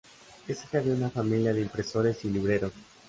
Es hija de una familia de impresores y libreros.